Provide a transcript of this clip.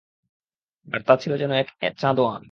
আর তা ছিল যেন এক চাঁদোয়া।